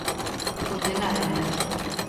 Condenádeme.